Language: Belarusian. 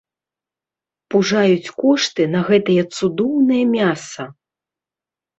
Пужаюць кошты на гэтае цудоўнае мяса!